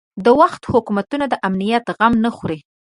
د وخت حکومتونه د امنیت غم نه خوري.